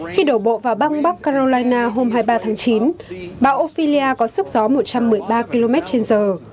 khi đổ bộ vào bang bắc carolina hôm hai mươi ba tháng chín bão ophelia có sức gió một trăm một mươi ba km trên giờ